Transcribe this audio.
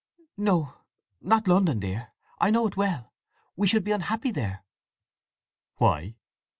"No—not London, dear! I know it well. We should be unhappy there." "Why?"